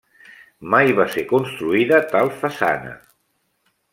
Mai va ser construïda tal façana.